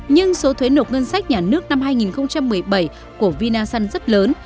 nhưng số thuế nộp ngân sách nhà nước năm hai nghìn một mươi bảy của vinasun rất lớn